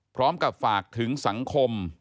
พร้อมกับฝากถึงสังคม